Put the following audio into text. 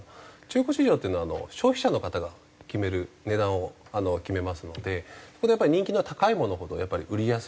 中古市場っていうのは消費者の方が決める値段を決めますので当然人気の高いものほどやっぱり売りやすいですし。